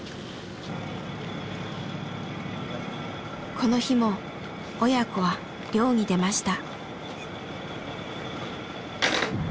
この日も親子は漁に出ました。